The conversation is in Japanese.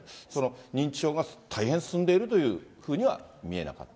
認知症がたいへん進んでいるというふうには見えなかった？